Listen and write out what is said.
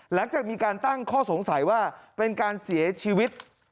หลังจากมีการตั้งข้อสงสัยว่าเป็นการเสียชีวิต